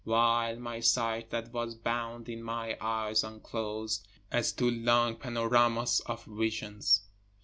While my sight that was bound in my eyes unclosed, As to long panoramas of visions.